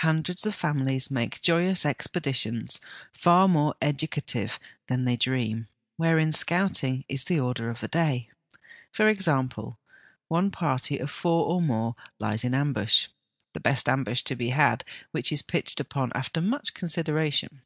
Hundreds of families make joyous expeditions, far more educative than they dream, wherein scouting is the order of the day. OUT OF DOOR LIFE FOR THE CHILDREN 89 For example, one party of four or more lies in ambush, the best ambush to be had, which is pitched upon after much consideration.